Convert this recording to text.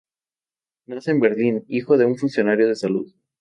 Nace en Berlín, hijo de un funcionario de salud.